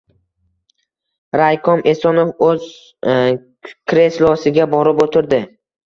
Raykom Esonov o‘z kreslosiga borib o‘tirdi.